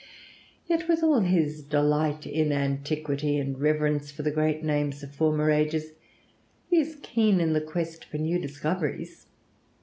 Yet with all his delight in antiquity and reverence for the great names of former ages, he is keen in the quest for new discoveries.